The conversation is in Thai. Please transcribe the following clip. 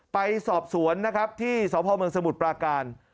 ไปสอบสวนนะครับที่สพเมืองสมุทรปราการ